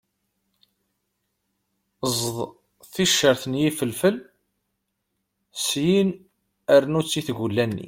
Eẓd ticcert n yifelfel syen rnu-t i tgulla-nni.